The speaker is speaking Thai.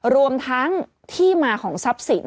รวมทั้งที่มาของทรัพย์สิน